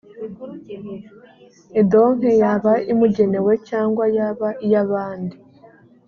indonke yaba imugenewe cyangwa yaba iy’abandi